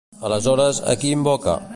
Aleshores, a qui invoca?